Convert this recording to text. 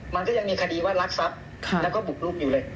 มันก็ยังมีคดีว่ารักทรัพย์แล้วก็บุกลุกอยู่เลย